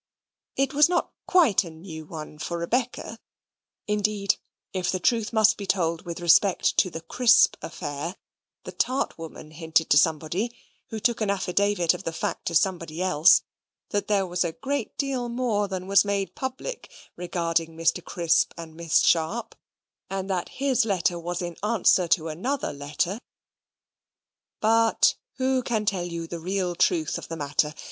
It was not quite a new one for Rebecca (indeed, if the truth must be told with respect to the Crisp affair, the tart woman hinted to somebody, who took an affidavit of the fact to somebody else, that there was a great deal more than was made public regarding Mr. Crisp and Miss Sharp, and that his letter was in answer to another letter). But who can tell you the real truth of the matter?